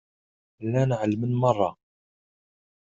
Llan ɛelmen merra.